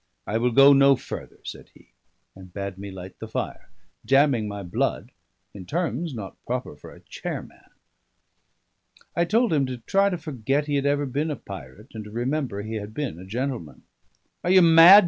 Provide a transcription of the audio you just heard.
"I will go no further," said he, and bade me light the fire, damning my blood in terms not proper for a chairman. I told him to try to forget he had ever been a pirate, and to remember he had been a gentleman. "Are you mad?"